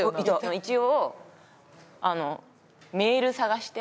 一応。